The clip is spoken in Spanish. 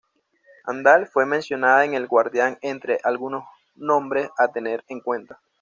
Handal fue mencionada en El Guardián entre 'algunos nombres a tener en cuenta.